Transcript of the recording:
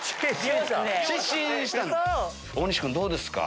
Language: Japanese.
⁉大西君どうですか？